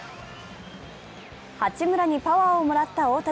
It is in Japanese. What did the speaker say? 八村にパワーをもらった大谷。